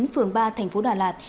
phường ba thành phố đà lạt